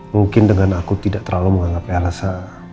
mungkin dengan aku tidak terlalu menganggap rasa